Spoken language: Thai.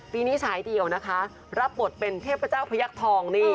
ปีนี้ชายเณลนะคะรับบทเป็นเทพเจ้าพระยักทองนี่